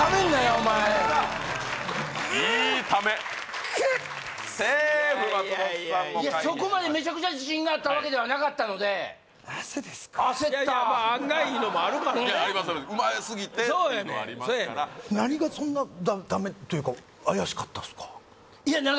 お前いいためセーフ松本さんもそこまでめちゃくちゃ自信があったわけではなかったので焦った案外いうのもあるからねうますぎてっていうのはありますから何がそんなダメというか怪しかったっすか？